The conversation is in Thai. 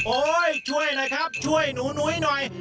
โอ๊ยช่วยนะครับช่วยหนูนุ้ยหน่อย